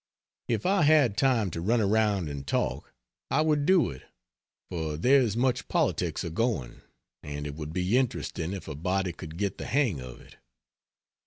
If I had time to run around and talk, I would do it; for there is much politics agoing, and it would be interesting if a body could get the hang of it.